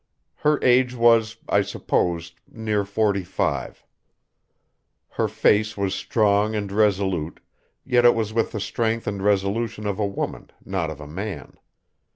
Her age was, I supposed, near forty five. Her face was strong and resolute, yet it was with the strength and resolution of a woman, not of a man.